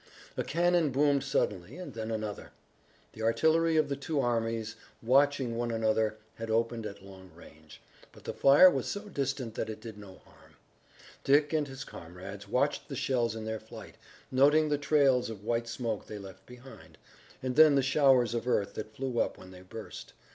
A cannon boomed suddenly and then another. The artillery of the two armies watching one another had opened at long range, but the fire was so distant that it did no harm. Dick and his comrades watched the shells in their flight, noting the trails of white smoke they left behind, and then the showers of earth that flew up when they burst.